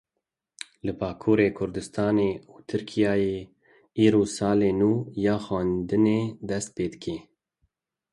Li Bakurê Kurdistanê û Tirkiyeyê îro sala nû ya xwendinê dest pê dike.